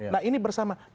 nah ini bersamaan